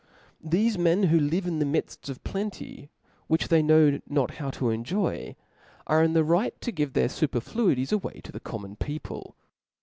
Theie men^ who live in the midft of a plenty which they know not how to enjoy, are in the right to < give their fuperfluities away to the common people.